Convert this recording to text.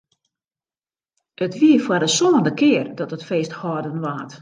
It wie foar de sânde kear dat it feest hâlden waard.